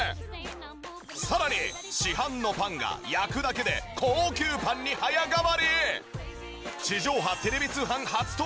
さらに市販のパンが焼くだけで高級パンに早変わり！